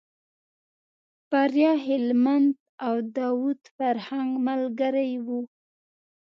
بریالی هلمند او داود فرهنګ ملګري و.